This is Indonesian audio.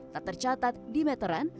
tak tercatat di meteran